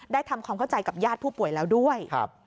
ทำความเข้าใจกับญาติผู้ป่วยแล้วด้วย